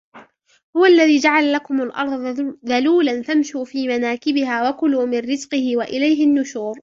هو الذي جعل لكم الأرض ذلولا فامشوا في مناكبها وكلوا من رزقه وإليه النشور